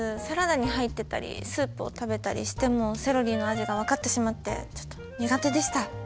サラダに入ってたりスープを食べたりしてもセロリの味が分かってしまってちょっと苦手でした。